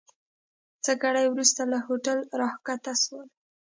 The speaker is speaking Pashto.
څه ګړی وروسته له هوټل راکښته سولو.